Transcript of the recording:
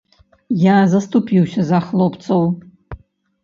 Я заступіўся за хлопцаў.